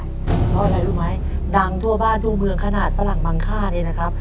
เพราะอะไรรู้ไหมดังทั่วบ้านทั่วเมืองขนาดสลังมังค่า